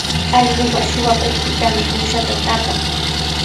Allquqa suqakuqpitami uushata taapan.